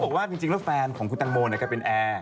เขาบอกว่าสิ่งที่แฟนของคุณตังโมเนี่ยเป็นแอร์